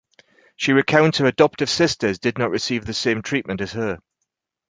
She recounts that her adoptive sisters did not receive the same treatment as her.